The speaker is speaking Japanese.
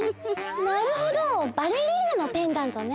なるほどバレリーナのペンダントね。